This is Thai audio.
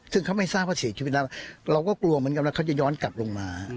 ซึ่งเขาไม่ทราบว่าเสียชีวิตแล้วเราก็กลัวเหมือนกันว่าเขาจะย้อนกลับลงมา